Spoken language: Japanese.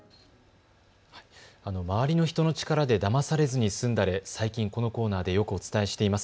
周りの人の力でだまされずに済んだ、最近このコーナーでよくお伝えしています。